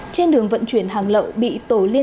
trên đường vận chuyển hàng lậu bị tổ liên